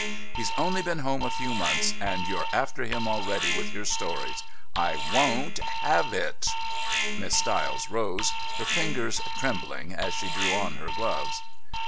He's only been home a few months, and you're after him already with your stories. I won't have it " Miss Stiles rose, her fingers trembling as she drew on her gloves.